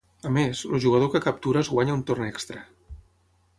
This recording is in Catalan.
A més, el jugador que captura es guanya un torn extra.